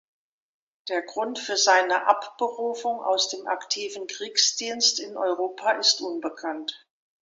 Der Grund für seine Abberufung aus dem aktiven Kriegsdienst in Europa ist unbekannt.